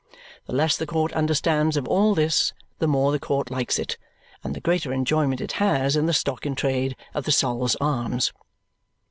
The less the court understands of all this, the more the court likes it, and the greater enjoyment it has in the stock in trade of the Sol's Arms.